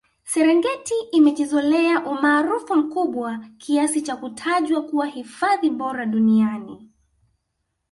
serengeti imejizolea umaarufu mkubwa kiasi cha kutajwa kuwa hifadhi bora duniani